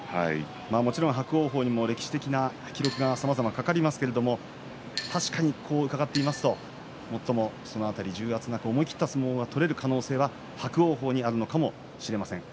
もちろん伯桜鵬にも歴史的な記録がさまざまかかりますが確かに最も重圧なく思い切った相撲が取れる可能性は伯桜鵬にあるのかもしれません。